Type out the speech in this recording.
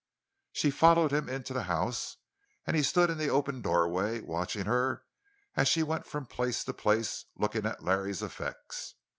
She followed him into the house, and he stood in the open doorway, watching her as she went from place to place, looking at Larry's effects.